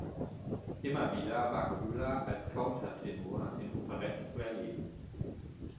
Immer wieder war Köhler als Countertenor in Operetten zu erleben.